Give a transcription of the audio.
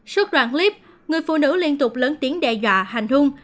suốt đoạn clip người phụ nữ liên tục lớn tiếng đe dọa hành hung